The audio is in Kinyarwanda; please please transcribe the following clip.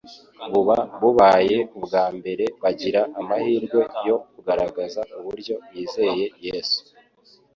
Buba bubaye ubwa mbere bagira amahirwe yo kugaragaza uburyo bizeye Yesu.